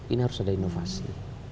ini harus ada inovasi